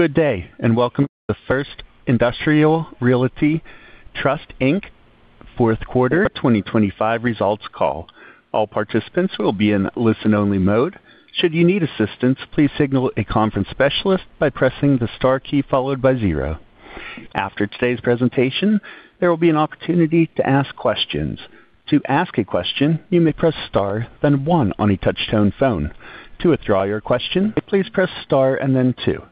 Good day and welcome to the First Industrial Realty Trust Inc. fourth quarter 2025 results call. All participants will be in listen-only mode. Should you need assistance, please signal a conference specialist by pressing the star key followed by 0. After today's presentation, there will be an opportunity to ask questions. To ask a question, you may press star, then 1 on a touch-tone phone. To withdraw your question, please press star and then 2.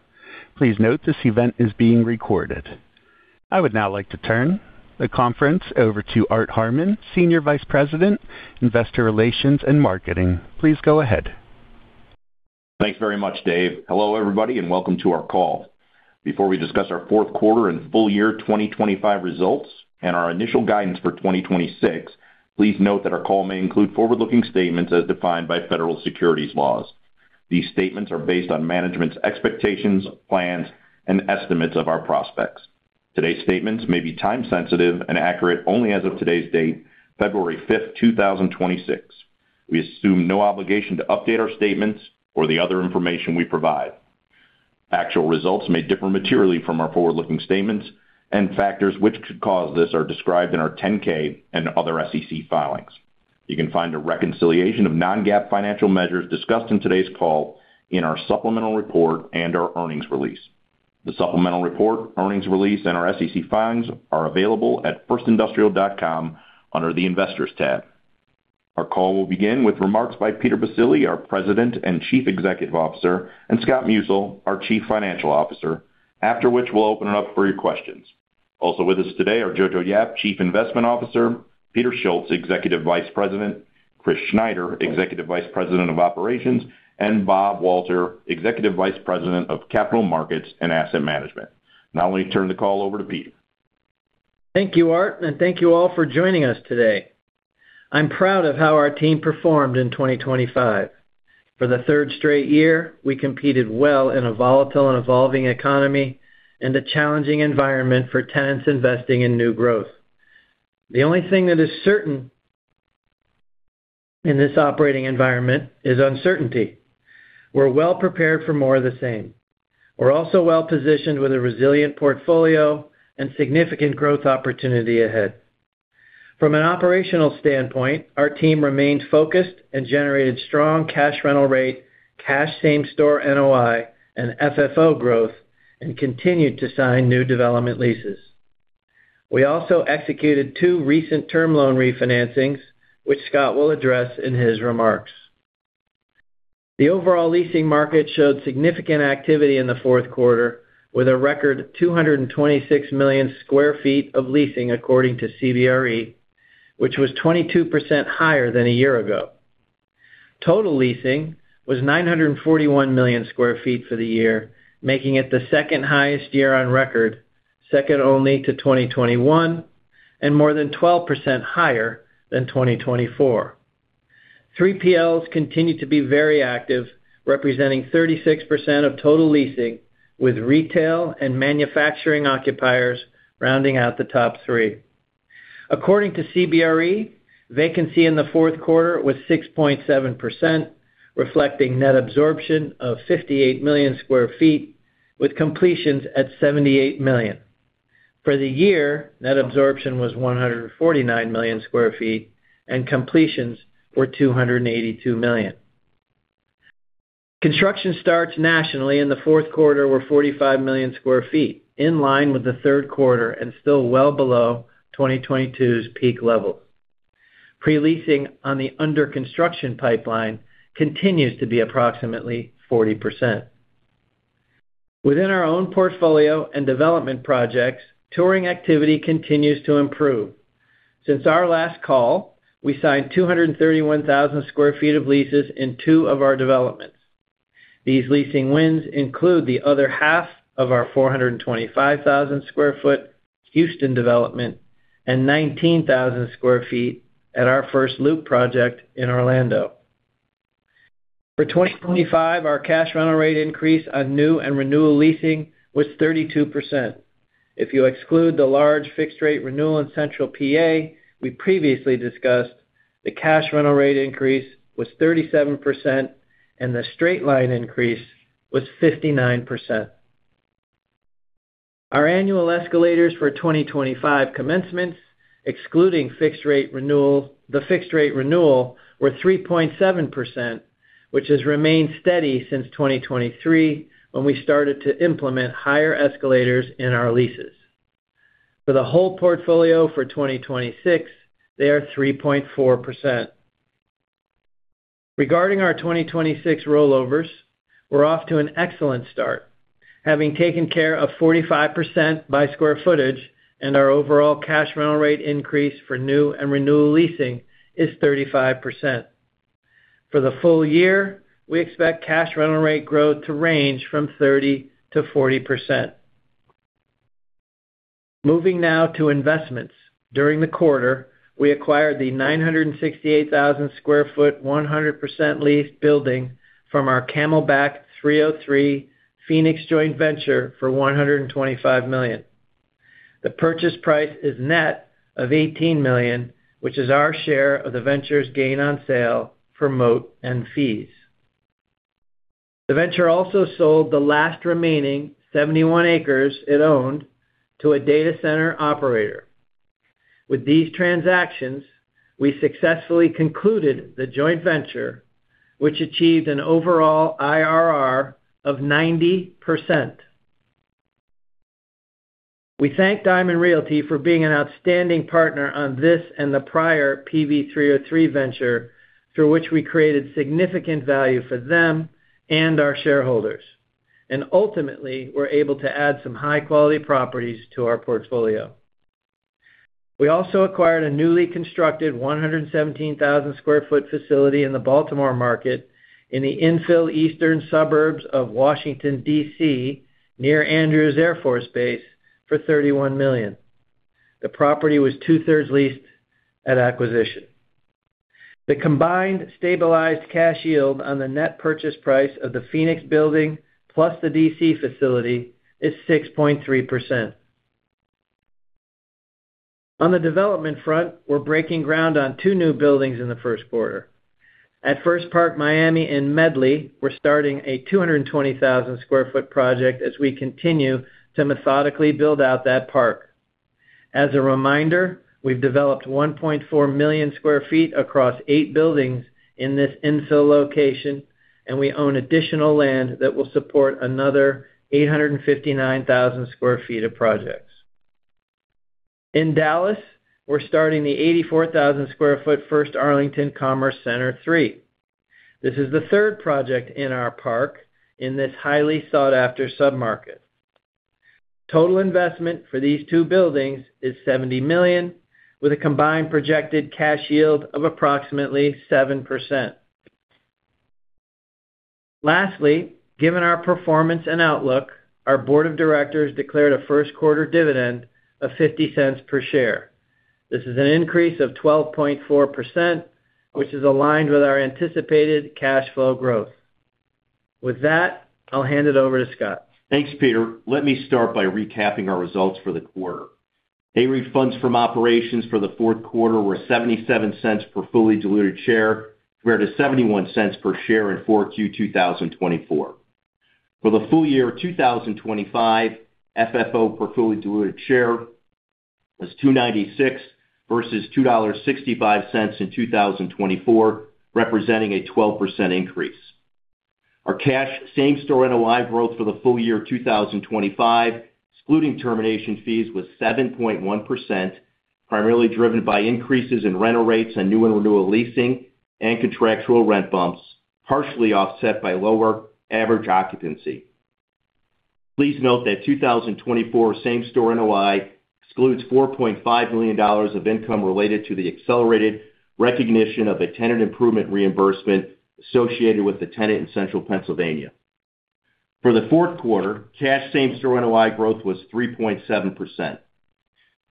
Please note this event is being recorded. I would now like to turn the conference over to Art Harmon, Senior Vice President, Investor Relations and Marketing. Please go ahead. Thanks very much, Dave. Hello everybody and welcome to our call. Before we discuss our fourth quarter and full year 2025 results and our initial guidance for 2026, please note that our call may include forward-looking statements as defined by federal securities laws. These statements are based on management's expectations, plans, and estimates of our prospects. Today's statements may be time-sensitive and accurate only as of today's date, February 5th, 2026. We assume no obligation to update our statements or the other information we provide. Actual results may differ materially from our forward-looking statements, and factors which could cause this are described in our 10-K and other SEC filings. You can find a reconciliation of non-GAAP financial measures discussed in today's call in our supplemental report and our earnings release. The supplemental report, earnings release, and our SEC filings are available at firstindustrial.com under the Investors tab. Our call will begin with remarks by Peter Baccile, our President and Chief Executive Officer, and Scott Musil, our Chief Financial Officer, after which we'll open it up for your questions. Also with us today are Jojo Yap, Chief Investment Officer; Peter Schultz, Executive Vice President; Chris Schneider, Executive Vice President of Operations; and Bob Walter, Executive Vice President of Capital Markets and Asset Management. Now let me turn the call over to Peter. Thank you, Art, and thank you all for joining us today. I'm proud of how our team performed in 2025. For the third straight year, we competed well in a volatile and evolving economy and a challenging environment for tenants investing in new growth. The only thing that is certain in this operating environment is uncertainty. We're well prepared for more of the same. We're also well positioned with a resilient portfolio and significant growth opportunity ahead. From an operational standpoint, our team remained focused and generated strong cash rental rate, cash same-store NOI, and FFO growth, and continued to sign new development leases. We also executed two recent term loan refinancings, which Scott will address in his remarks. The overall leasing market showed significant activity in the fourth quarter, with a record 226 million sq ft of leasing according to CBRE, which was 22% higher than a year ago. Total leasing was 941 million sq ft for the year, making it the second highest year on record, second only to 2021, and more than 12% higher than 2024. 3PLs continued to be very active, representing 36% of total leasing, with retail and manufacturing occupiers rounding out the top three. According to CBRE, vacancy in the fourth quarter was 6.7%, reflecting net absorption of 58 million sq ft, with completions at 78 million. For the year, net absorption was 149 million sq ft, and completions were 282 million. Construction starts nationally in the fourth quarter were 45 million sq ft, in line with the third quarter and still well below 2022's peak level. Pre-leasing on the under-construction pipeline continues to be approximately 40%. Within our own portfolio and development projects, touring activity continues to improve. Since our last call, we signed 231,000 sq ft of leases in two of our developments. These leasing wins include the other half of our 425,000 sq ft Houston development and 19,000 sq ft at our First Loop project in Orlando. For 2025, our cash rental rate increase on new and renewal leasing was 32%. If you exclude the large fixed-rate renewal in Central PA, we previously discussed the cash rental rate increase was 37% and the straight-line increase was 59%. Our annual escalators for 2025 commencements, excluding fixed-rate renewal, were 3.7%, which has remained steady since 2023 when we started to implement higher escalators in our leases. For the whole portfolio for 2026, they are 3.4%. Regarding our 2026 rollovers, we're off to an excellent start, having taken care of 45% by square footage and our overall cash rental rate increase for new and renewal leasing is 35%. For the full year, we expect cash rental rate growth to range from 30%-40%. Moving now to investments. During the quarter, we acquired the 968,000 sq ft 100% leased building from our Camelback 303 Phoenix joint venture for $125 million. The purchase price is net of $18 million, which is our share of the venture's gain on sale, promote, and fees. The venture also sold the last remaining 71 acres it owned to a data center operator. With these transactions, we successfully concluded the joint venture, which achieved an overall IRR of 90%. We thank Diamond Realty for being an outstanding partner on this and the prior PV303 venture through which we created significant value for them and our shareholders, and ultimately were able to add some high-quality properties to our portfolio. We also acquired a newly constructed 117,000 sq ft facility in the Baltimore market in the infill eastern suburbs of Washington, D.C., near Andrews Air Force Base for $31 million. The property was two-thirds leased at acquisition. The combined stabilized cash yield on the net purchase price of the Phoenix building plus the D.C. facility is 6.3%. On the development front, we're breaking ground on two new buildings in the first quarter. At First Park Miami in Medley, we're starting a 220,000 sq ft project as we continue to methodically build out that park. As a reminder, we've developed 1.4 million sq ft across eight buildings in this infill location, and we own additional land that will support another 859,000 sq ft of projects. In Dallas, we're starting the 84,000 sq ft First Arlington Commerce Center 3. This is the third project in our park in this highly sought-after submarket. Total investment for these two buildings is $70 million, with a combined projected cash yield of approximately 7%. Lastly, given our performance and outlook, our board of directors declared a first quarter dividend of $0.50 per share. This is an increase of 12.4%, which is aligned with our anticipated cash flow growth. With that, I'll hand it over to Scott. Thanks, Peter. Let me start by recapping our results for the quarter. NAREIT funds from operations for the fourth quarter were $0.77 per fully diluted share compared to $0.71 per share in 4Q 2024. For the full year 2025, FFO per fully diluted share was $2.96 versus $2.65 in 2024, representing a 12% increase. Our cash same-store NOI growth for the full year 2025, excluding termination fees, was 7.1%, primarily driven by increases in rental rates and new and renewal leasing and contractual rent bumps, partially offset by lower average occupancy. Please note that 2024 same-store NOI excludes $4.5 million of income related to the accelerated recognition of a tenant improvement reimbursement associated with the tenant in Central Pennsylvania. For the fourth quarter, cash same-store NOI growth was 3.7%.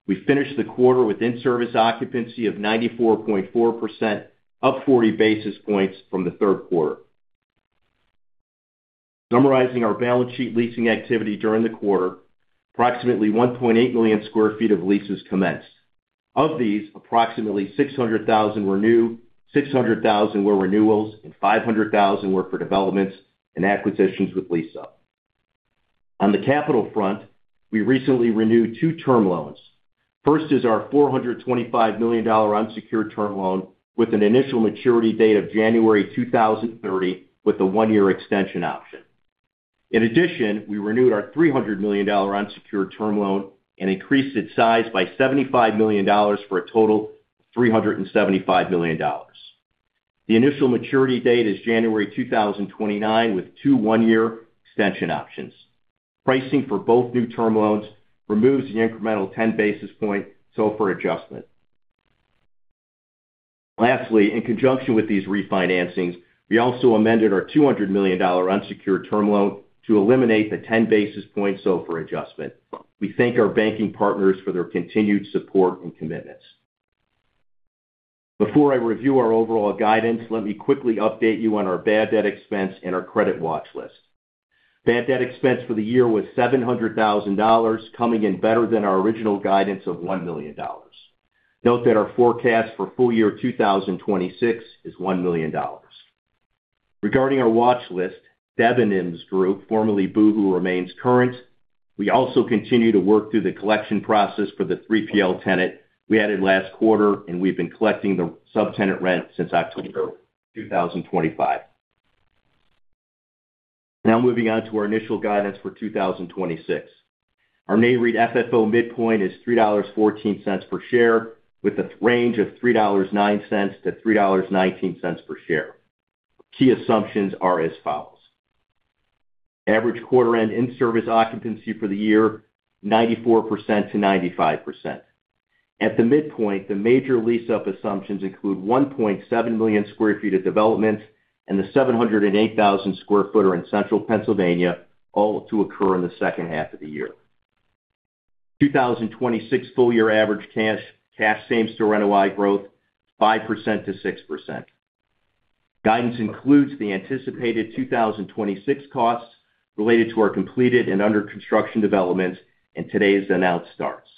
We finished the quarter with in-service occupancy of 94.4%, up 40 basis points from the third quarter. Summarizing our balance sheet leasing activity during the quarter, approximately 1.8 million sq ft of leases commenced. Of these, approximately 600,000 were new, 600,000 were renewals, and 500,000 were for developments and acquisitions with lease-up. On the capital front, we recently renewed two term loans. First is our $425 million unsecured term loan with an initial maturity date of January 2030 with a one-year extension option. In addition, we renewed our $300 million unsecured term loan and increased its size by $75 million for a total of $375 million. The initial maturity date is January 2029 with two one-year extension options. Pricing for both new term loans removes the incremental 10 basis point SOFR adjustment. Lastly, in conjunction with these refinancings, we also amended our $200 million unsecured term loan to eliminate the 10 basis point SOFR adjustment. We thank our banking partners for their continued support and commitments. Before I review our overall guidance, let me quickly update you on our bad debt expense and our credit watch list. Bad debt expense for the year was $700,000, coming in better than our original guidance of $1 million. Note that our forecast for full year 2026 is $1 million. Regarding our watch list, Debenhams Group, formerly Boohoo, remains current. We also continue to work through the collection process for the 3PL tenant we added last quarter, and we've been collecting the subtenant rent since October 23rd 2025. Now moving on to our initial guidance for 2026. Our NAREIT FFO midpoint is $3.14 per share with a range of $3.09-$3.19 per share. Key assumptions are as follows: Average quarter-end in-service occupancy for the year, 94%-95%. At the midpoint, the major lease-up assumptions include 1.7 million sq ft of developments and the 708,000 sq ft vacancy in Central Pennsylvania, all to occur in the second half of the year. 2026 full-year average cash same-store NOI growth, 5%-6%. Guidance includes the anticipated 2026 costs related to our completed and under-construction developments, and today's announced starts.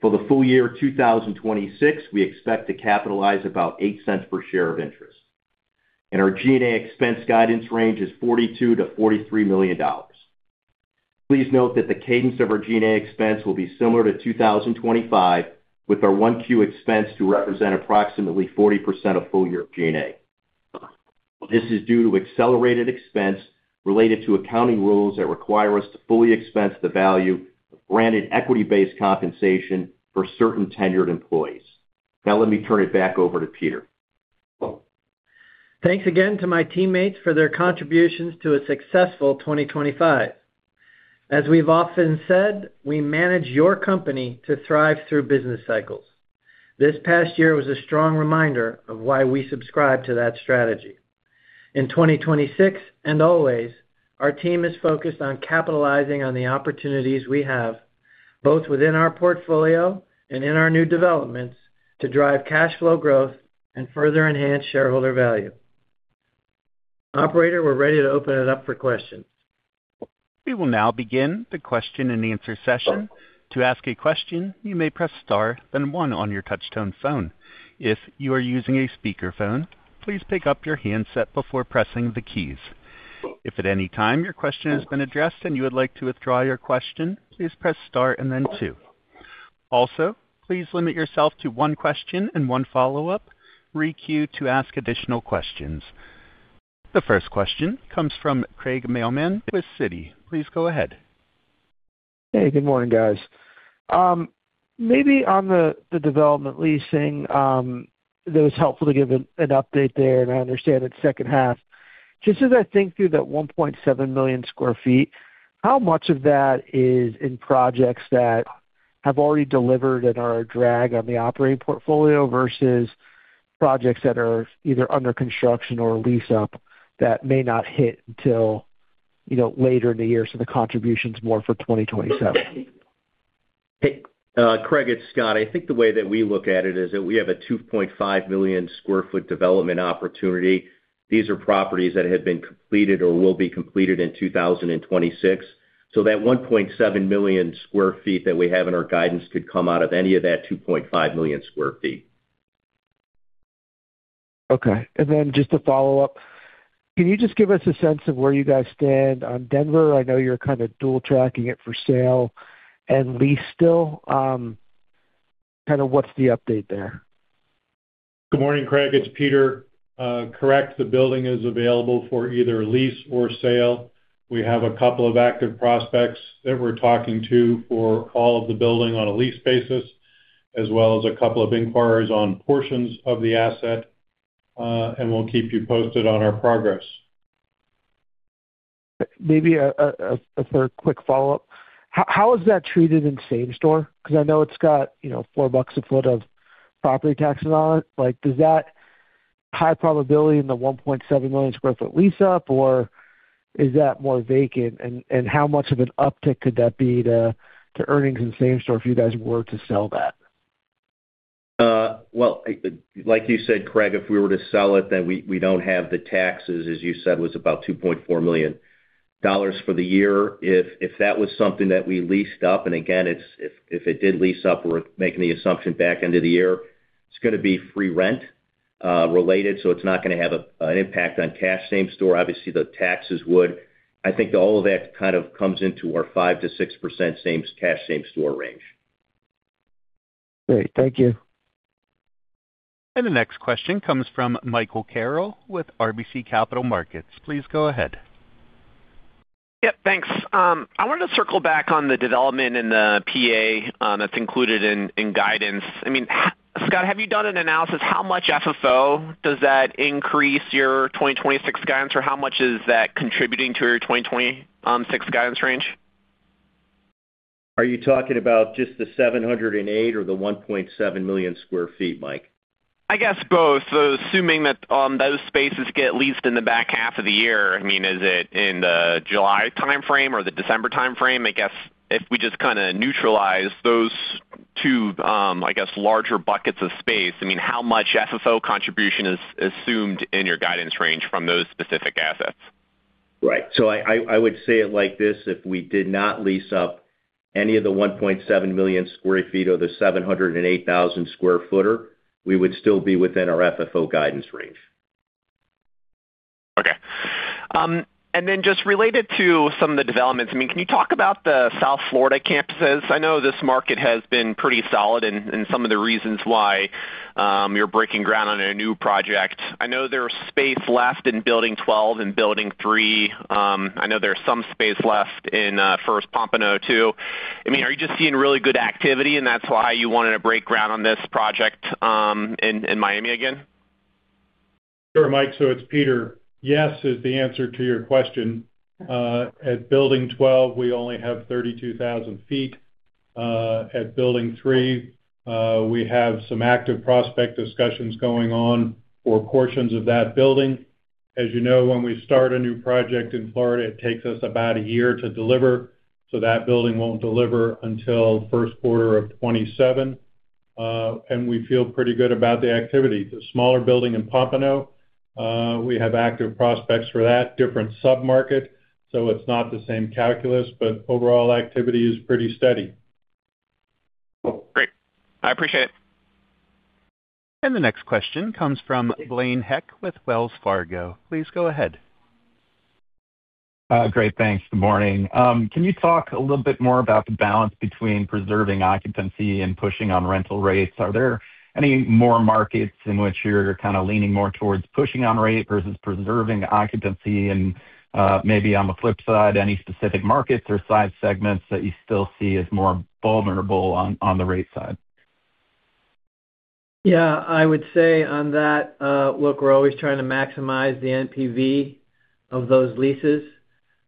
For the full year 2026, we expect to capitalize about $0.08 per share of interest. Our G&A expense guidance range is $42-$43 million. Please note that the cadence of our G&A expense will be similar to 2025, with our Q1 expense to represent approximately 40% of full-year G&A. This is due to accelerated expense related to accounting rules that require us to fully expense the value of granted equity-based compensation for certain tenured employees. Now let me turn it back over to Peter. Thanks again to my teammates for their contributions to a successful 2025. As we've often said, we manage your company to thrive through business cycles. This past year was a strong reminder of why we subscribe to that strategy. In 2026, and always, our team is focused on capitalizing on the opportunities we have, both within our portfolio and in our new developments, to drive cash flow growth and further enhance shareholder value. Operator, we're ready to open it up for questions. We will now begin the question-and-answer session. To ask a question, you may press * then 1 on your touch-tone phone. If you are using a speakerphone, please pick up your handset before pressing the keys. If at any time your question has been addressed and you would like to withdraw your question, please press * and then 2. Also, please limit yourself to one question and one follow-up re-Q to ask additional questions. The first question comes from Craig Mailman with Citi. Please go ahead. Hey, good morning, guys. Maybe on the development leasing, it was helpful to give an update there, and I understand it's second half. Just as I think through that 1.7 million sq ft, how much of that is in projects that have already delivered and are a drag on the operating portfolio versus projects that are either under construction or lease-up that may not hit until later in the year so the contribution's more for 2027? Hey, Craig, it's Scott. I think the way that we look at it is that we have a 2.5 million sq ft development opportunity. These are properties that have been completed or will be completed in 2026. So that 1.7 million sq ft that we have in our guidance could come out of any of that 2.5 million sq ft. Okay. Just to follow up, can you just give us a sense of where you guys stand on Denver? I know you're kind of dual-tracking it for sale and lease still. Kind of what's the update there? Good morning, Craig. It's Peter. Correct, the building is available for either lease or sale. We have a couple of active prospects that we're talking to for all of the building on a lease basis, as well as a couple of inquiries on portions of the asset. We'll keep you posted on our progress. Maybe a quick follow-up. How is that treated in same-store? Because I know it's got $4 a foot of property taxes on it. Does that high probability in the 1.7 million sq ft lease-up, or is that more vacant? And how much of an uptick could that be to earnings in same-store if you guys were to sell that? Well, like you said, Craig, if we were to sell it, then we don't have the taxes, as you said, was about $2.4 million for the year. If that was something that we leased up and again, if it did lease up, we're making the assumption back into the year, it's going to be free rent-related, so it's not going to have an impact on cash same-store. Obviously, the taxes would. I think all of that kind of comes into our 5%-6% cash same-store range. Great. Thank you. The next question comes from Michael Carroll with RBC Capital Markets. Please go ahead. Yep, thanks. I wanted to circle back on the development and the PA that's included in guidance. I mean, Scott, have you done an analysis? How much FFO does that increase your 2026 guidance, or how much is that contributing to your 2026 guidance range? Are you talking about just the 708 or the 1.7 million sq ft, Mike? I guess both, assuming that those spaces get leased in the back half of the year. I mean, is it in the July timeframe or the December timeframe? I guess if we just kind of neutralize those two, I guess, larger buckets of space, I mean, how much FFO contribution is assumed in your guidance range from those specific assets? Right. So I would say it like this: if we did not lease up any of the 1.7 million sq ft or the 708,000 sq ft, we would still be within our FFO guidance range. Okay. And then just related to some of the developments, I mean, can you talk about the South Florida campuses? I know this market has been pretty solid, and some of the reasons why you're breaking ground on a new project. I know there's space left in Building 12 and Building 3. I know there's some space left in First Pompano too. I mean, are you just seeing really good activity, and that's why you wanted to break ground on this project in Miami again? Sure, Mike. So it's Peter. Yes is the answer to your question. At Building 12, we only have 32,000 sq ft. At Building 3, we have some active prospect discussions going on for portions of that building. As you know, when we start a new project in Florida, it takes us about a year to deliver. So that building won't deliver until first quarter of 2027. And we feel pretty good about the activity. The smaller building in Pompano, we have active prospects for that, different submarket, so it's not the same calculus. But overall, activity is pretty steady. Great. I appreciate it. The next question comes from Blaine Heck with Wells Fargo. Please go ahead. Great. Thanks. Good morning. Can you talk a little bit more about the balance between preserving occupancy and pushing on rental rates? Are there any more markets in which you're kind of leaning more towards pushing on rate versus preserving occupancy? And maybe on the flip side, any specific markets or size segments that you still see as more vulnerable on the rate side? Yeah, I would say on that, look, we're always trying to maximize the NPV of those leases.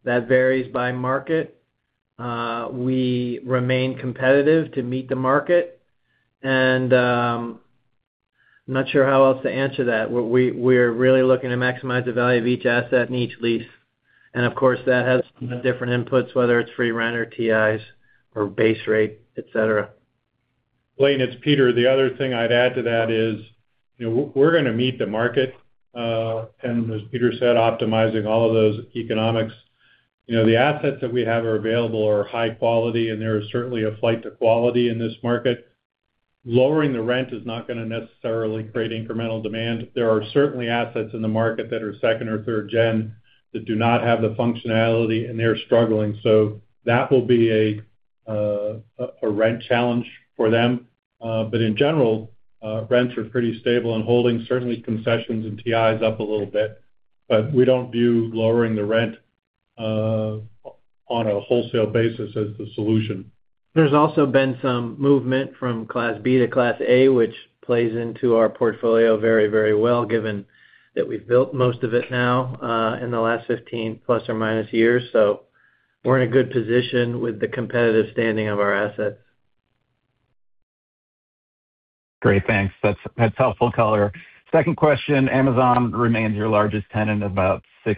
That varies by market. We remain competitive to meet the market. And I'm not sure how else to answer that. We are really looking to maximize the value of each asset and each lease. And of course, that has some different inputs, whether it's free rent or TIs or base rate, etc. Blaine, it's Peter. The other thing I'd add to that is we're going to meet the market. As Peter said, optimizing all of those economics. The assets that we have are available are high quality, and there is certainly a flight to quality in this market. Lowering the rent is not going to necessarily create incremental demand. There are certainly assets in the market that are second or third gen that do not have the functionality, and they're struggling. So that will be a rent challenge for them. But in general, rents are pretty stable and holding, certainly concessions and TIs up a little bit. But we don't view lowering the rent on a wholesale basis as the solution. There's also been some movement from Class B to Class A, which plays into our portfolio very, very well, given that we've built most of it now in the last 15 ± years. So we're in a good position with the competitive standing of our assets. Great. Thanks. That's helpful color. Second question, Amazon remains your largest tenant, about 6%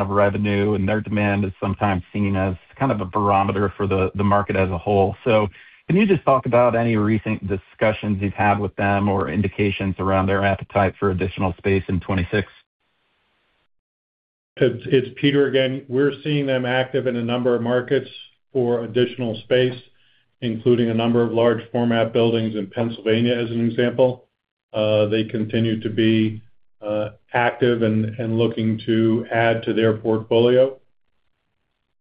of revenue, and their demand is sometimes seen as kind of a barometer for the market as a whole. So can you just talk about any recent discussions you've had with them or indications around their appetite for additional space in 2026? It's Peter again. We're seeing them active in a number of markets for additional space, including a number of large-format buildings in Pennsylvania, as an example. They continue to be active and looking to add to their portfolio.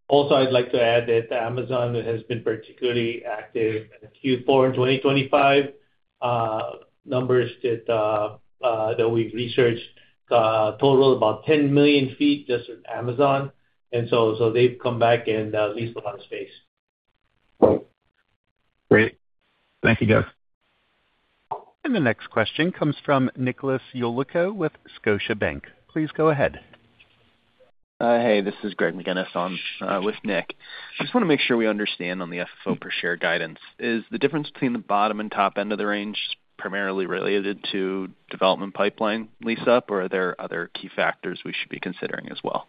Also, I'd like to add that Amazon has been particularly active in Q4 in 2025. Numbers that we've researched total about 10 million sq ft just in Amazon. And so they've come back and leased a lot of space. Great. Thank you, guys. The next question comes from Nicholas Yulico with Scotiabank. Please go ahead. Hey, this is Greg McGinniss with Nick. I just want to make sure we understand on the FFO per share guidance. Is the difference between the bottom and top end of the range primarily related to development pipeline lease-up, or are there other key factors we should be considering as well?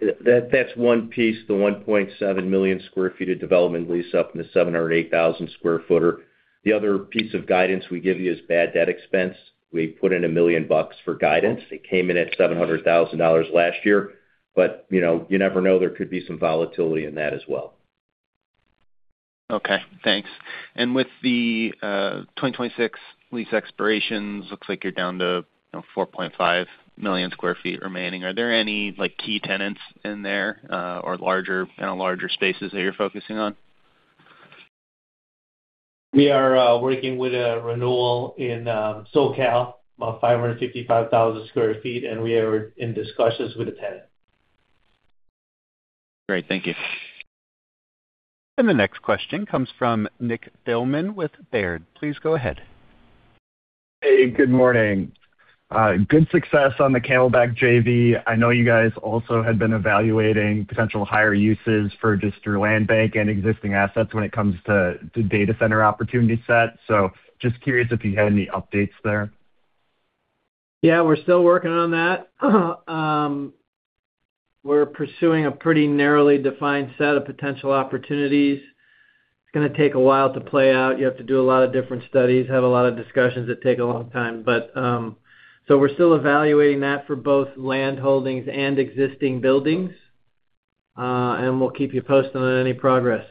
That's one piece, the 1.7 million sq ft of development lease-up and the 708,000 sq ft. The other piece of guidance we give you is bad debt expense. We put in $1 million for guidance. It came in at $700,000 last year. But you never know. There could be some volatility in that as well. Okay. Thanks. With the 2026 lease expirations, looks like you're down to 4.5 million sq ft remaining. Are there any key tenants in there or in larger spaces that you're focusing on? We are working with a renewal in SoCal, about 555,000 sq ft, and we are in discussions with a tenant. Great. Thank you. The next question comes from Nicholas Thillman with Baird. Please go ahead. Hey, good morning. Good success on the Camelback JV. I know you guys also had been evaluating potential higher uses for just your land bank and existing assets when it comes to the data center opportunity set. So just curious if you had any updates there? Yeah, we're still working on that. We're pursuing a pretty narrowly defined set of potential opportunities. It's going to take a while to play out. You have to do a lot of different studies, have a lot of discussions that take a long time. So we're still evaluating that for both land holdings and existing buildings. We'll keep you posted on any progress.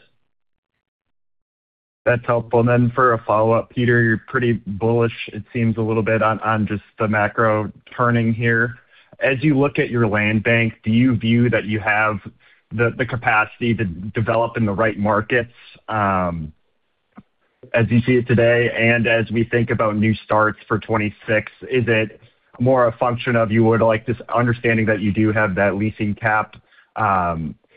That's helpful. Then for a follow-up, Peter, you're pretty bullish, it seems, a little bit on just the macro turning here. As you look at your land bank, do you view that you have the capacity to develop in the right markets as you see it today? And as we think about new starts for 2026, is it more a function of you would like just understanding that you do have that leasing cap?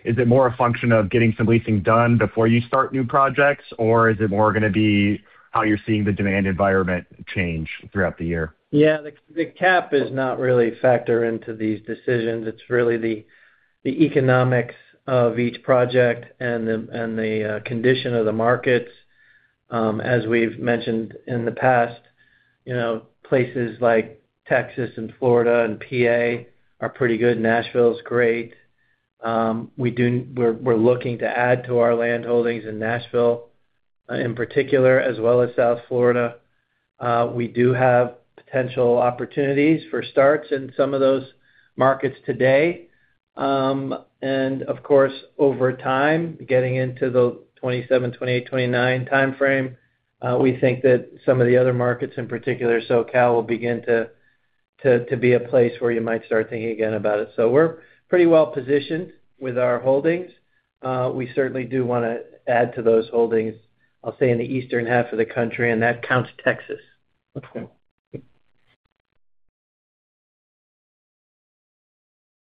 Is it more a function of getting some leasing done before you start new projects, or is it more going to be how you're seeing the demand environment change throughout the year? Yeah, the cap is not really a factor into these decisions. It's really the economics of each project and the condition of the markets. As we've mentioned in the past, places like Texas and Florida and PA are pretty good. Nashville's great. We're looking to add to our land holdings in Nashville in particular, as well as South Florida. We do have potential opportunities for starts in some of those markets today. And of course, over time, getting into the 2027, 2028, 2029 timeframe, we think that some of the other markets, in particular SoCal, will begin to be a place where you might start thinking again about it. So we're pretty well positioned with our holdings. We certainly do want to add to those holdings, I'll say, in the eastern half of the country, and that counts Texas.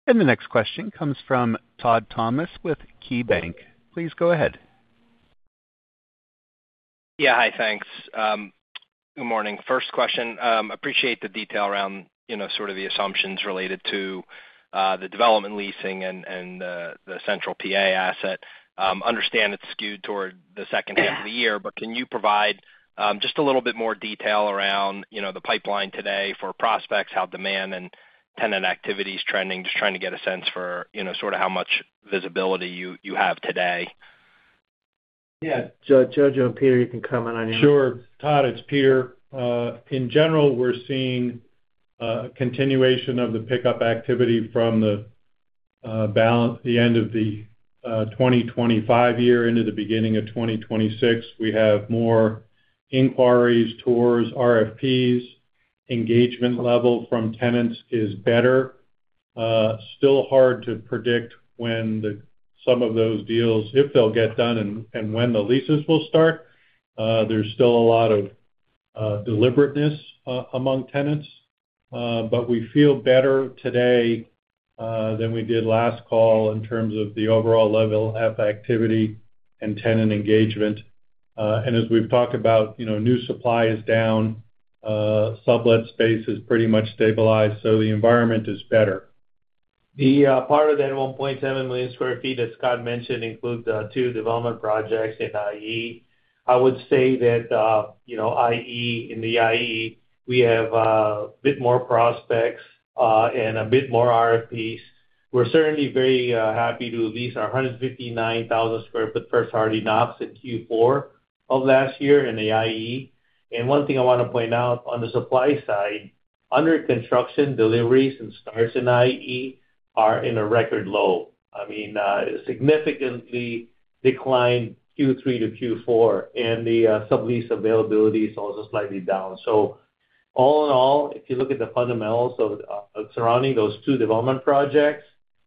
The next question comes from Todd Thomas with KeyBanc. Please go ahead. Yeah. Hi. Thanks. Good morning. First question, appreciate the detail around sort of the assumptions related to the development leasing and the Central PA asset. Understand it's skewed toward the second half of the year, but can you provide just a little bit more detail around the pipeline today for prospects, how demand and tenant activity's trending, just trying to get a sense for sort of how much visibility you have today? Yeah. Jojo and Peter, you can comment on yours. Sure. Todd, it's Peter. In general, we're seeing a continuation of the pickup activity from the end of the 2025 year into the beginning of 2026. We have more inquiries, tours, RFPs. Engagement level from tenants is better. Still hard to predict when some of those deals, if they'll get done and when the leases will start. There's still a lot of deliberateness among tenants. But we feel better today than we did last call in terms of the overall level of activity and tenant engagement. And as we've talked about, new supply is down. Sublet space is pretty much stabilized, so the environment is better. The part of that 1.7 million sq ft that Scott mentioned includes two development projects in IE. I would say that in the IE, we have a bit more prospects and a bit more RFPs. We're certainly very happy to lease our 159,000 sq ft First Harley Knox in Q4 of last year in the IE. One thing I want to point out on the supply side, under construction, deliveries, and starts in IE are in a record low. I mean, it significantly declined Q3 to Q4, and the sublease availability is also slightly down. All in all, if you look at the fundamentals surrounding those two development projects,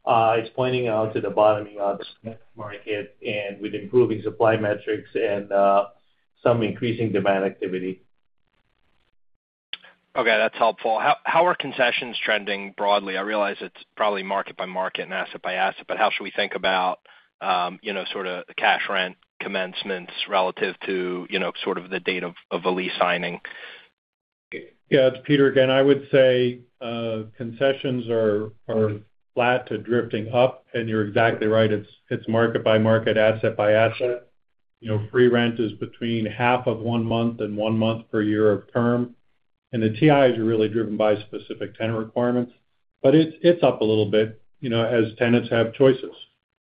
it's pointing out to the bottoming out of the market with improving supply metrics and some increasing demand activity. Okay. That's helpful. How are concessions trending broadly? I realize it's probably market by market and asset by asset, but how should we think about sort of cash rent commencements relative to sort of the date of a lease signing? Yeah. To Peter again, I would say concessions are flat to drifting up. You're exactly right. It's market by market, asset by asset. Free rent is between half of one month and one month per year of term. The TIs are really driven by specific tenant requirements. But it's up a little bit as tenants have choices.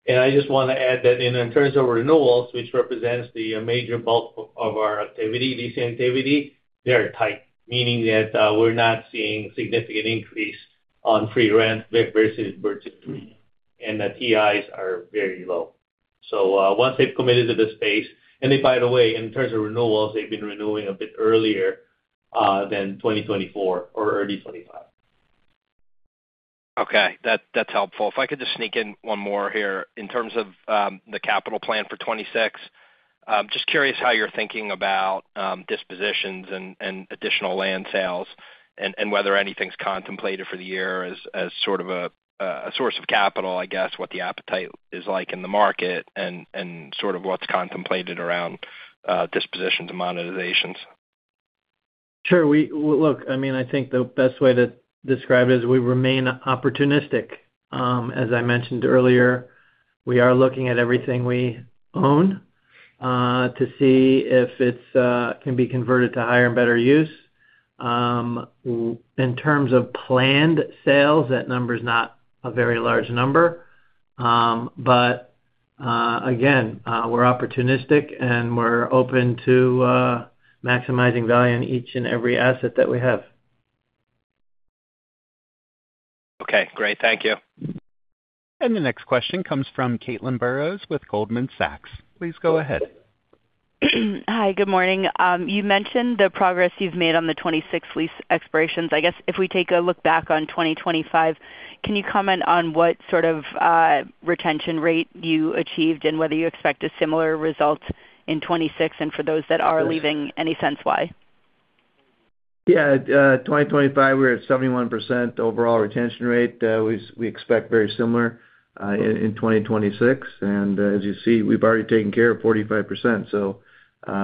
I just want to add that in terms of renewals, which represents the major bulk of our leasing activity, they're tight, meaning that we're not seeing a significant increase on free rent versus virtually free, and the TIs are very low. So once they've committed to the space and by the way, in terms of renewals, they've been renewing a bit earlier than 2024 or early 2025. Okay. That's helpful. If I could just sneak in one more here. In terms of the capital plan for 2026, just curious how you're thinking about dispositions and additional land sales and whether anything's contemplated for the year as sort of a source of capital, I guess, what the appetite is like in the market and sort of what's contemplated around dispositions and monetizations? Sure. Look, I mean, I think the best way to describe it is we remain opportunistic. As I mentioned earlier, we are looking at everything we own to see if it can be converted to higher and better use. In terms of planned sales, that number's not a very large number. But again, we're opportunistic, and we're open to maximizing value in each and every asset that we have. Okay. Great. Thank you. The next question comes from Caitlin Burrows with Goldman Sachs. Please go ahead. Hi. Good morning. You mentioned the progress you've made on the 2026 lease expirations. I guess if we take a look back on 2025, can you comment on what sort of retention rate you achieved and whether you expect a similar result in 2026? And for those that are leaving, any sense why? Yeah. 2025, we're at 71% overall retention rate. We expect very similar in 2026. And as you see, we've already taken care of 45%, so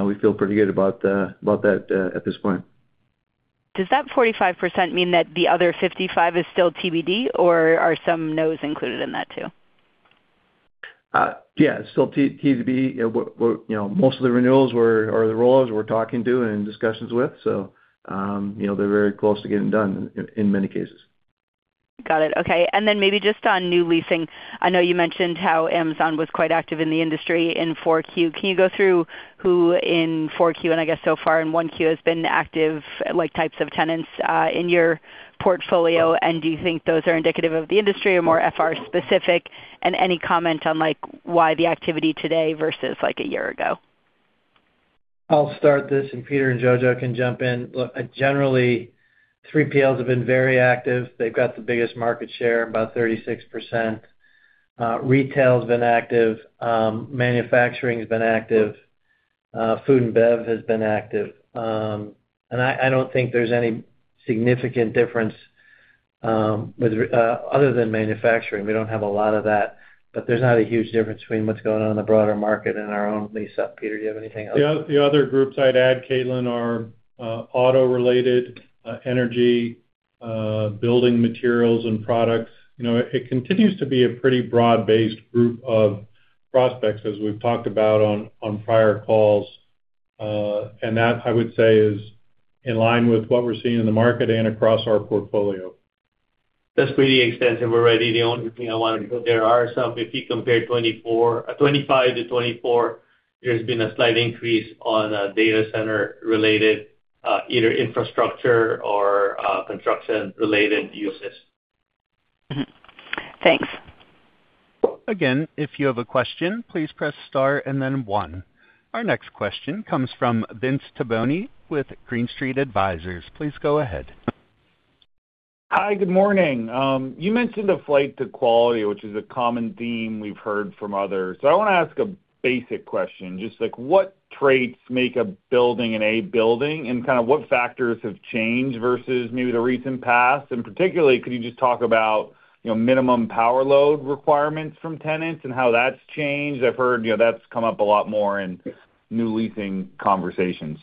we feel pretty good about that at this point. Does that 45% mean that the other 55 is still TBD, or are some no's included in that too? Yeah. It's still TBD. Most of the renewals or the rollouts we're talking to and in discussions with, so they're very close to getting done in many cases. Got it. Okay. And then maybe just on new leasing, I know you mentioned how Amazon was quite active in the industry in 4Q. Can you go through who in 4Q and I guess so far in 1Q has been active types of tenants in your portfolio? And do you think those are indicative of the industry or more FR-specific? And any comment on why the activity today versus a year ago? I'll start this, and Peter and Jojo can jump in. Look, generally, 3PLs have been very active. They've got the biggest market share, about 36%. Retail's been active. Manufacturing's been active. Food and bev has been active. And I don't think there's any significant difference other than manufacturing. We don't have a lot of that. But there's not a huge difference between what's going on in the broader market and our own lease-up. Peter, do you have anything else? The other groups I'd add, Caitlin, are auto-related, energy, building materials, and products. It continues to be a pretty broad-based group of prospects, as we've talked about on prior calls. That, I would say, is in line with what we're seeing in the market and across our portfolio. That's pretty extensive. Already, the only thing I wanted to put there are some if you compare 2025 to 2024, there's been a slight increase on data center-related either infrastructure or construction-related uses. Thanks. Again, if you have a question, please press star and then one. Our next question comes from Vince Tibone with Green Street Advisors. Please go ahead. Hi. Good morning. You mentioned a flight to quality, which is a common theme we've heard from others. So I want to ask a basic question, just what traits make a building an A building? And kind of what factors have changed versus maybe the recent past? And particularly, could you just talk about minimum power load requirements from tenants and how that's changed? I've heard that's come up a lot more in new leasing conversations.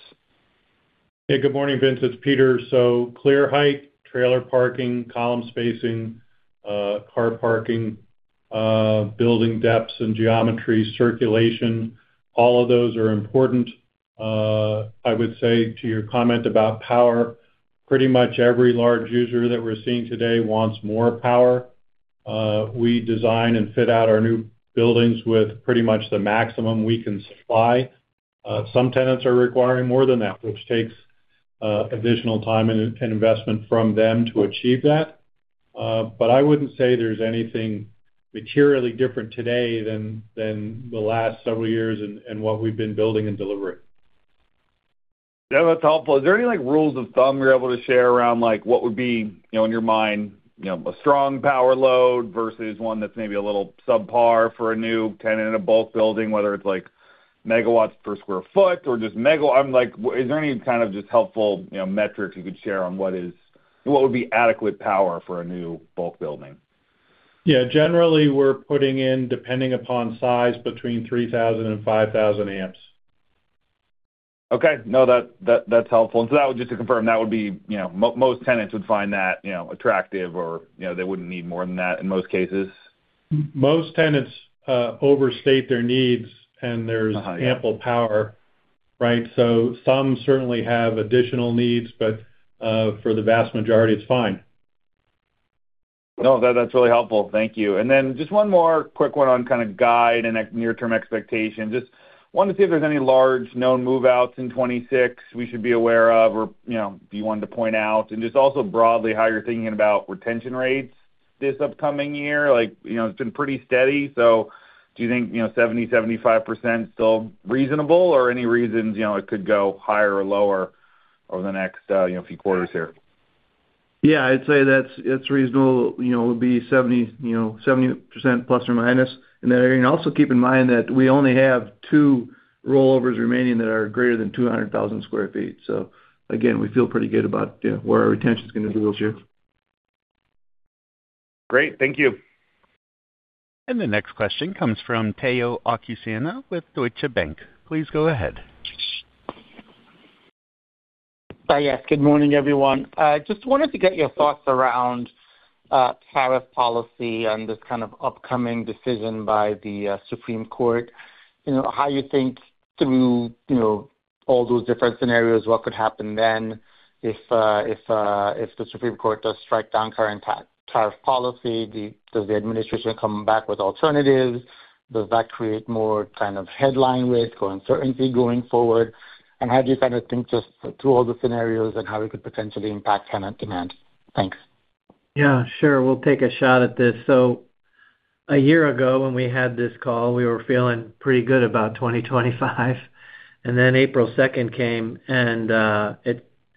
Yeah. Good morning, Vince. It's Peter. So clear height, trailer parking, column spacing, car parking, building depths and geometry, circulation, all of those are important, I would say, to your comment about power. Pretty much every large user that we're seeing today wants more power. We design and fit out our new buildings with pretty much the maximum we can supply. Some tenants are requiring more than that, which takes additional time and investment from them to achieve that. But I wouldn't say there's anything materially different today than the last several years and what we've been building and delivering. Yeah. That's helpful. Is there any rules of thumb you're able to share around what would be, in your mind, a strong power load versus one that's maybe a little subpar for a new tenant in a bulk building, whether it's megawatts per square foot or just megawatts? Is there any kind of just helpful metrics you could share on what would be adequate power for a new bulk building? Yeah. Generally, we're putting in, depending upon size, 3,000-5,000 amps. Okay. No, that's helpful. So just to confirm, most tenants would find that attractive, or they wouldn't need more than that in most cases? Most tenants overstate their needs, and there's ample power, right? So some certainly have additional needs, but for the vast majority, it's fine. No, that's really helpful. Thank you. Then just one more quick one on kind of guide and near-term expectations. Just wanted to see if there's any large known move-outs in 2026 we should be aware of or do you want to point out? And just also broadly, how you're thinking about retention rates this upcoming year. It's been pretty steady. So do you think 70%-75% still reasonable, or any reasons it could go higher or lower over the next few quarters here? Yeah. I'd say it's reasonable. It would be 70% ± in that area. Also keep in mind that we only have 2 rollovers remaining that are greater than 200,000 sq ft. So again, we feel pretty good about where our retention's going to be this year. Great. Thank you. The next question comes from Omotayo Okusanya with Deutsche Bank. Please go ahead. Hi. Yes. Good morning, everyone. Just wanted to get your thoughts around tariff policy and this kind of upcoming decision by the Supreme Court. How you think, through all those different scenarios, what could happen then if the Supreme Court does strike down current tariff policy? Does the administration come back with alternatives? Does that create more kind of headline risk or uncertainty going forward? And how do you kind of think, just through all the scenarios, and how it could potentially impact tenant demand? Thanks. Yeah. Sure. We'll take a shot at this. So a year ago, when we had this call, we were feeling pretty good about 2025. And then April 2nd came, and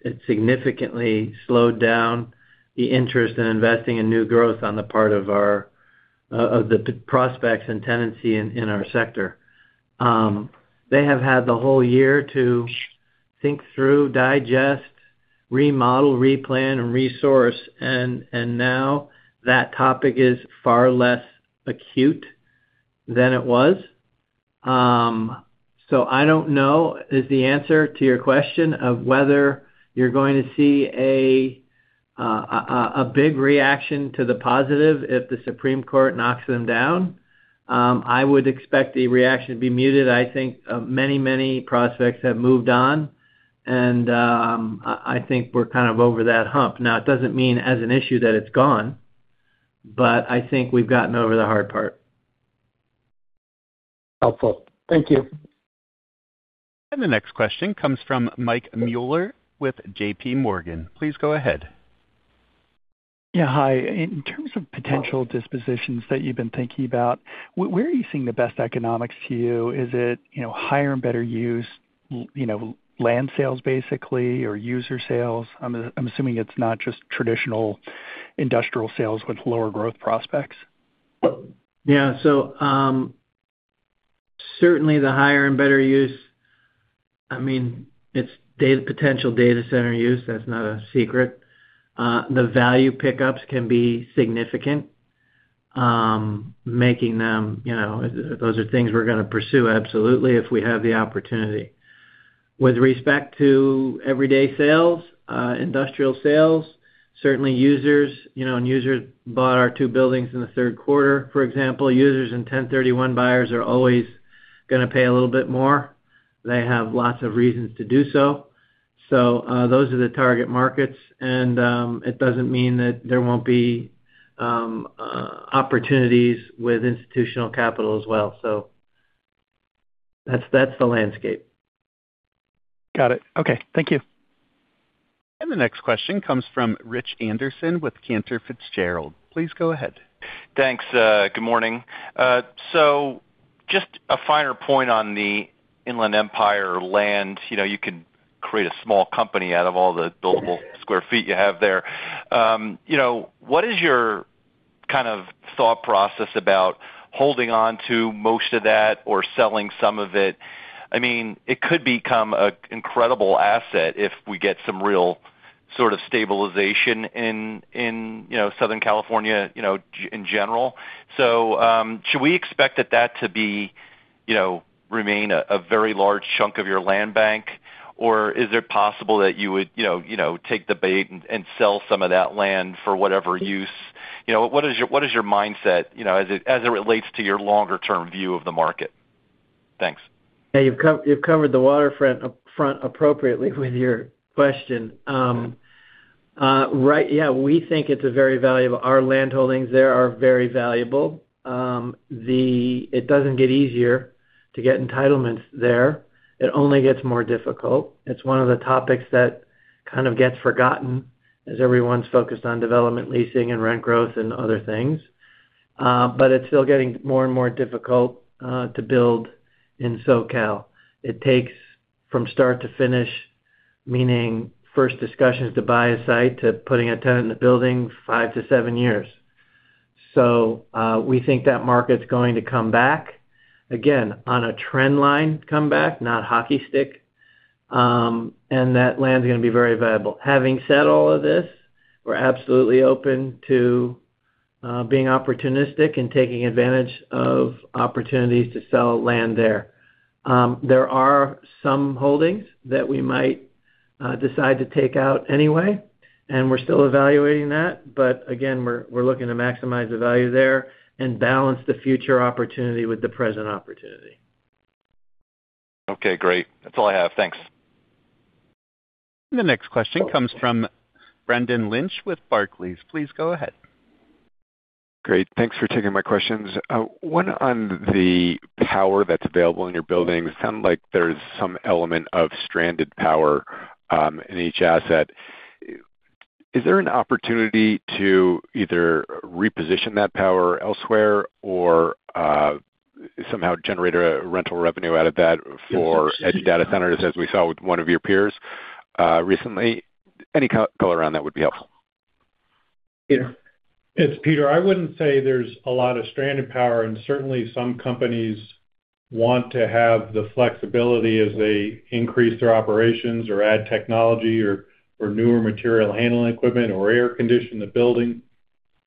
it significantly slowed down the interest in investing in new growth on the part of the prospects and tenancy in our sector. They have had the whole year to think through, digest, remodel, replan, and resource. And now that topic is far less acute than it was. So I don't know is the answer to your question of whether you're going to see a big reaction to the positive if the Supreme Court knocks them down. I would expect the reaction to be muted. I think many, many prospects have moved on, and I think we're kind of over that hump. Now, it doesn't mean as an issue that it's gone, but I think we've gotten over the hard part. Helpful. Thank you. The next question comes from Mike Mueller with JPMorgan. Please go ahead. Yeah. Hi. In terms of potential dispositions that you've been thinking about, where are you seeing the best economics to you? Is it higher and better used land sales, basically, or user sales? I'm assuming it's not just traditional industrial sales with lower growth prospects. Yeah. So certainly, the higher and better use, I mean, it's potential data center use. That's not a secret. The value pickups can be significant, making them those are things we're going to pursue, absolutely, if we have the opportunity. With respect to everyday sales, industrial sales, certainly, users and users bought our two buildings in the third quarter, for example. Users and 1031 buyers are always going to pay a little bit more. They have lots of reasons to do so. So those are the target markets. And it doesn't mean that there won't be opportunities with institutional capital as well. So that's the landscape. Got it. Okay. Thank you. The next question comes from Rich Anderson with Cantor Fitzgerald. Please go ahead. Thanks. Good morning. So just a finer point on the Inland Empire land. You can create a small company out of all the buildable square feet you have there. What is your kind of thought process about holding onto most of that or selling some of it? I mean, it could become an incredible asset if we get some real sort of stabilization in Southern California in general. So should we expect that that to remain a very large chunk of your land bank, or is it possible that you would take the bait and sell some of that land for whatever use? What is your mindset as it relates to your longer-term view of the market? Thanks. Yeah. You've covered the waterfront appropriately with your question. Yeah. We think it's very valuable. Our land holdings there are very valuable. It doesn't get easier to get entitlements there. It only gets more difficult. It's one of the topics that kind of gets forgotten as everyone's focused on development leasing and rent growth and other things. But it's still getting more and more difficult to build in SoCal. It takes, from start to finish, meaning first discussions to buy a site to putting a tenant in the building, 5-7 years. So we think that market's going to come back, again, on a trendline, come back, not hockey stick, and that land's going to be very valuable. Having said all of this, we're absolutely open to being opportunistic and taking advantage of opportunities to sell land there. There are some holdings that we might decide to take out anyway, and we're still evaluating that. But again, we're looking to maximize the value there and balance the future opportunity with the present opportunity. Okay. Great. That's all I have. Thanks. The next question comes from Brendan Lynch with Barclays. Please go ahead. Great. Thanks for taking my questions. One on the power that's available in your buildings. It sounded like there's some element of stranded power in each asset. Is there an opportunity to either reposition that power elsewhere or somehow generate a rental revenue out of that for edge data centers, as we saw with one of your peers recently? Any color on that would be helpful. It's Peter. I wouldn't say there's a lot of stranded power. And certainly, some companies want to have the flexibility as they increase their operations or add technology or newer material handling equipment or air condition the building.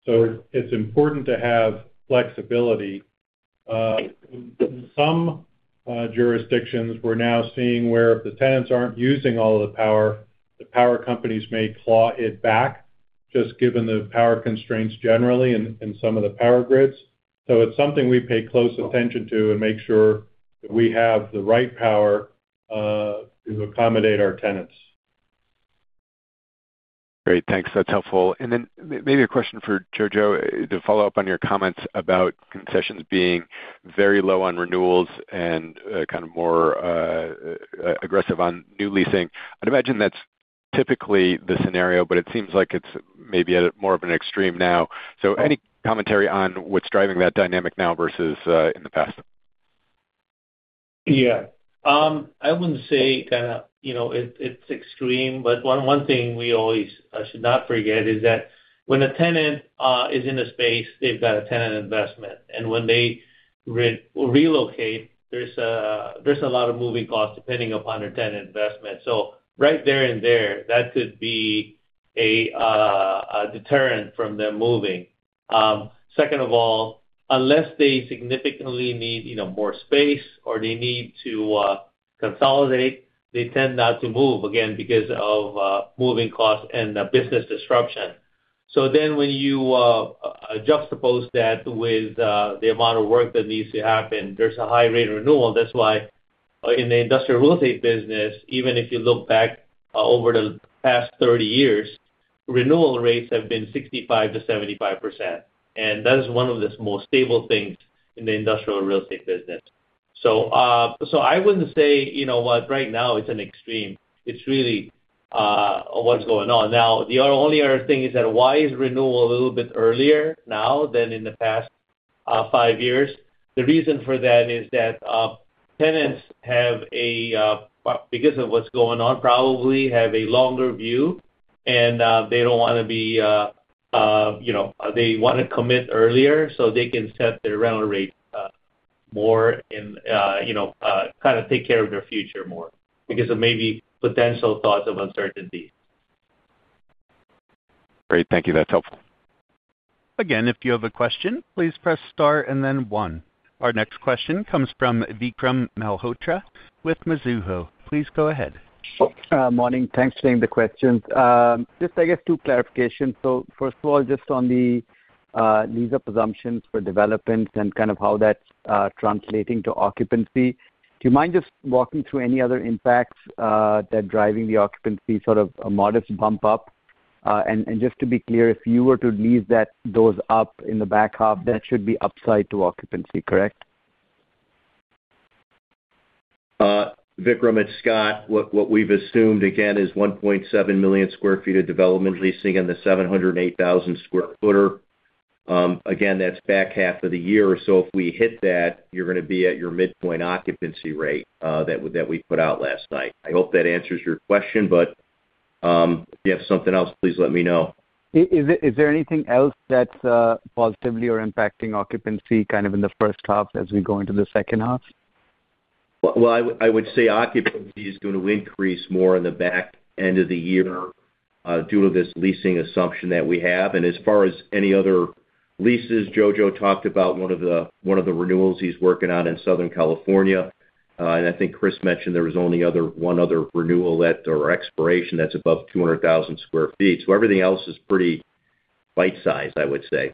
So it's important to have flexibility. In some jurisdictions, we're now seeing where, if the tenants aren't using all of the power, the power companies may claw it back just given the power constraints generally in some of the power grids. So it's something we pay close attention to and make sure that we have the right power to accommodate our tenants. Great. Thanks. That's helpful. And then maybe a question for Jojo to follow up on your comments about concessions being very low on renewals and kind of more aggressive on new leasing. I'd imagine that's typically the scenario, but it seems like it's maybe at more of an extreme now. So any commentary on what's driving that dynamic now versus in the past? Yeah. I wouldn't say kind of it's extreme. But one thing we always should not forget is that when a tenant is in a space, they've got a tenant investment. And when they relocate, there's a lot of moving costs depending upon their tenant investment. So right there and there, that could be a deterrent from them moving. Second of all, unless they significantly need more space or they need to consolidate, they tend not to move, again, because of moving costs and business disruption. So then when you juxtapose that with the amount of work that needs to happen, there's a high rate of renewal. That's why, in the industrial real estate business, even if you look back over the past 30 years, renewal rates have been 65%-75%. And that is one of the most stable things in the industrial real estate business. So I wouldn't say, "You know what? Right now, it's an extreme." It's really what's going on. Now, the only other thing is, why is renewal a little bit earlier now than in the past five years? The reason for that is that tenants have, because of what's going on, probably a longer view, and they don't want to, they want to commit earlier so they can set their rental rate more and kind of take care of their future more because of maybe potential thoughts of uncertainty. Great. Thank you. That's helpful. Again, if you have a question, please press star and then one. Our next question comes from Vikram Malhotra with Mizuho. Please go ahead. Morning. Thanks for taking the questions. Just, I guess, two clarifications. So first of all, just on the leasing assumptions for developments and kind of how that's translating to occupancy, do you mind just walking through any other impacts that are driving the occupancy sort of a modest bump up? And just to be clear, if you were to lease those up in the back half, that should be upside to occupancy, correct? Vikram, it's Scott. What we've assumed, again, is 1.7 million sq ft of development leasing in the 708,000 sq ft. Again, that's back half of the year. So if we hit that, you're going to be at your midpoint occupancy rate that we put out last night. I hope that answers your question, but if you have something else, please let me know. Is there anything else that's positively impacting occupancy kind of in the first half as we go into the second half? Well, I would say occupancy is going to increase more in the back end of the year due to this leasing assumption that we have. And as far as any other leases, Jojo talked about one of the renewals he's working on in Southern California. And I think Chris mentioned there was only one other renewal or expiration that's above 200,000 sq ft. So everything else is pretty bite-sized, I would say.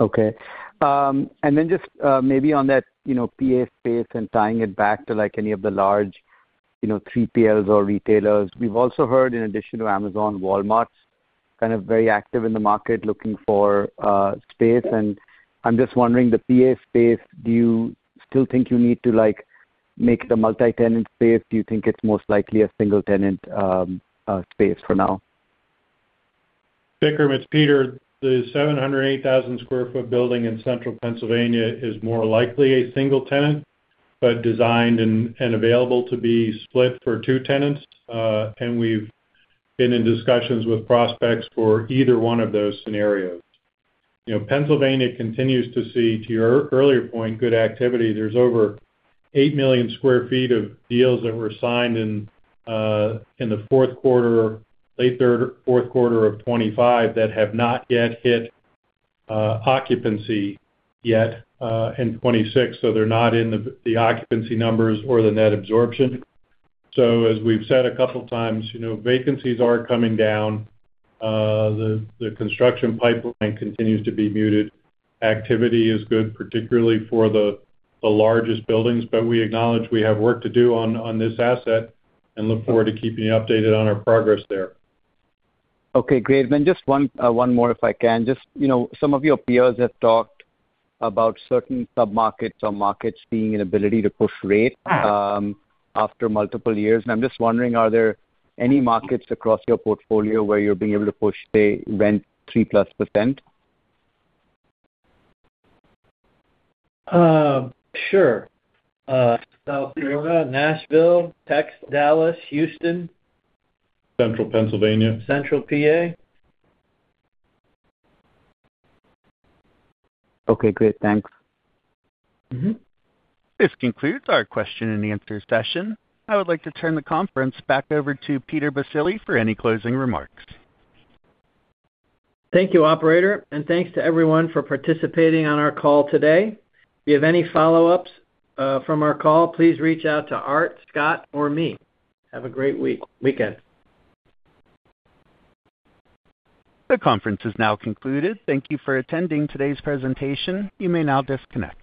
Okay. And then just maybe on that PA space and tying it back to any of the large 3PLs or retailers, we've also heard, in addition to Amazon, Walmart's kind of very active in the market looking for space. And I'm just wondering, the PA space, do you still think you need to make it a multi-tenant space? Do you think it's most likely a single-tenant space for now? Vikram, it's Peter. The 708,000 sq ft building in Central Pennsylvania is more likely a single tenant but designed and available to be split for two tenants. We've been in discussions with prospects for either one of those scenarios. Pennsylvania continues to see, to your earlier point, good activity. There's over 8 million sq ft of deals that were signed in the fourth quarter, late third, fourth quarter of 2025 that have not yet hit occupancy yet in 2026. So they're not in the occupancy numbers or the net absorption. So as we've said a couple of times, vacancies are coming down. The construction pipeline continues to be muted. Activity is good, particularly for the largest buildings. But we acknowledge we have work to do on this asset and look forward to keeping you updated on our progress there. Okay. Great. Then just one more, if I can. Some of your peers have talked about certain submarkets or markets seeing an ability to push rate after multiple years. And I'm just wondering, are there any markets across your portfolio where you're being able to push, say, rent 3%+? Sure. South Florida, Nashville, Texas, Dallas, Houston. Central Pennsylvania. Central PA. Okay. Great. Thanks. This concludes our question-and-answer session. I would like to turn the conference back over to Peter Baccile for any closing remarks. Thank you, operator. Thanks to everyone for participating on our call today. If you have any follow-ups from our call, please reach out to Art, Scott, or me. Have a great weekend. The conference is now concluded. Thank you for attending today's presentation. You may now disconnect.